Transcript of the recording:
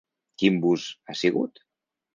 Quin bus ha sigut?